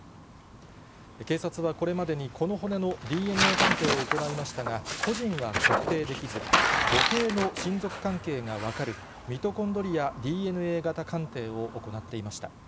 警察はこれまでに、この骨のＤＮＡ鑑定を行いましたが、個人は特定できず、母系の親族関係が分かる、ミトコンドリアＤＮＡ型鑑定を行っていました。